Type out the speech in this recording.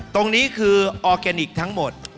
ตรงนี้คือออร์แกนิคทั้งหมด